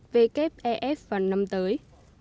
wfef vào năm tới